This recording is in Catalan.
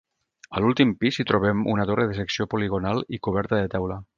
A l'últim pis hi trobem una torre de secció poligonal i coberta de teula.